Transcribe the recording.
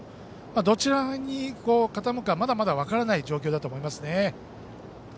どちらに傾くかまだまだ分からない状況だと思いますね。